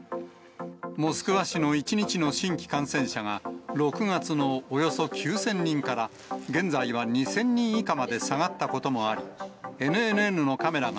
モスクワ市の１日の新規感染者が、６月のおよそ９０００人から、現在は２０００人以下まで下がったこともあり、ＮＮＮのカメラが